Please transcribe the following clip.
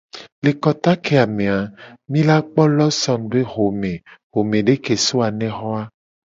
Le kota keya me a, mi la kpo lawson be xome, xomede ke so anexo a.